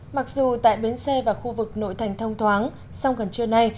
mặc dù tại bến xe và khu vực nội thành thông thoáng song gần trưa nay